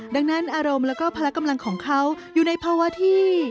ดังนั้นอารมณ์แล้วก็พละกำลังของเขาอยู่ในภาวะที่